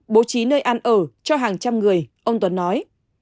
bố trí nơi ăn ở cho hàng trăm người ông tuấn nói